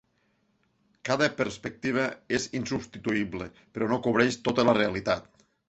Cada perspectiva és insubstituïble, però no cobreix tota la realitat.